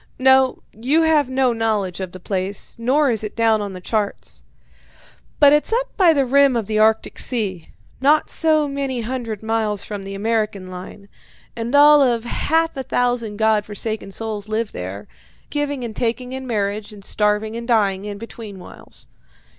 No, you have no knowledge of the place, nor is it down on the charts. But it's up by the rim of the Arctic Sea, not so many hundred miles from the American line, and all of half a thousand God forsaken souls live there, giving and taking in marriage, and starving and dying in between whiles.